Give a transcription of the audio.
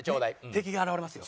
敵が現れますよ。